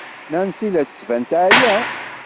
Nancy la d-tettban teɛya.